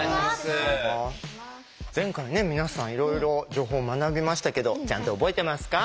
前回ね皆さんいろいろ情報学びましたけどちゃんと覚えてますか？